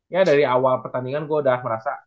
ya dari awal pertandingan gue udah merasa